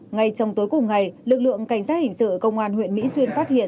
ngay trong tối cùng ngày lực lượng cảnh sát hình sự công an huyện mỹ xuyên phát hiện